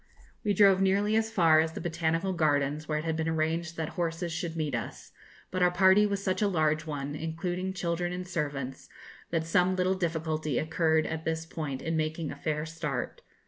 We drove nearly as far as the Botanical Gardens, where it had been arranged that horses should meet us; but our party was such a large one, including children and servants, that some little difficulty occurred at this point in making a fair start.